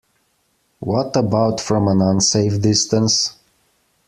What about from an unsafe distance?